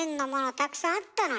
たくさんあったのに。